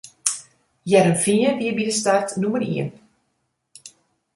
Hearrenfean wie by dy start nûmer ien.